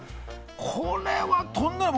これは、とんでもない！